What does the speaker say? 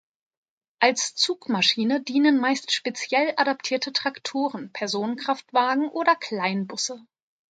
Als Zugmaschine dienen meist speziell adaptierte Traktoren, Personenkraftwagen oder Kleinbusse.